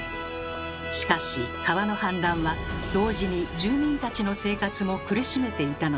しかし川の氾濫は同時に住民たちの生活も苦しめていたのです。